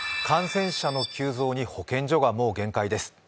感染者の急増に保健所がもう限界です。